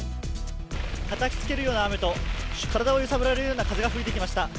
たたきつけるような雨と体を揺さぶられるような風が吹いてきました。